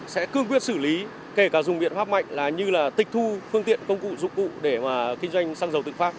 sẽ cương quyết xử lý kể cả dùng biện pháp mạnh là như là tịch thu phương tiện công cụ dụng cụ để kinh doanh xăng dầu tự phát